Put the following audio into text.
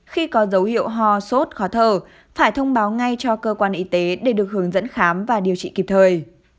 khi có dấu hiệu ho sốt khó thở phải thông báo ngay cho cơ quan y tế để được hướng dẫn khám và điều trị kịp thời